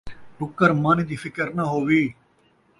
ٹُکّر مانی دی فکر نہ ہووی